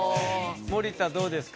森田どうですか？